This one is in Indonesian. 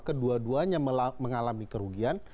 kedua duanya mengalami kerugian